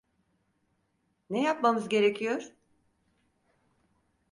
Ne yapmamız gerekiyor?